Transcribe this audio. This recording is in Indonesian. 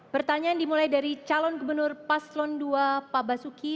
pertanyaan dimulai dari calon gubernur paslon dua pak basuki